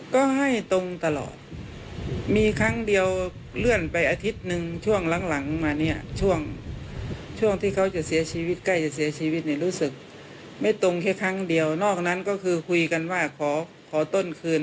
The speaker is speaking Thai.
ก็ยืนยันว่าขอต้นคืน